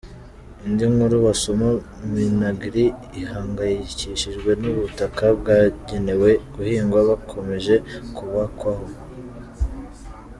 Indi nkuru wasoma : Minagri ihangayikishijwe n’ubutaka bwagenewe guhingwa bukomeje kubakwaho.